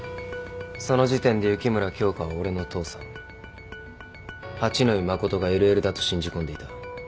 その時点で雪村京花は俺の父さん八野衣真がＬＬだと信じ込んでいた。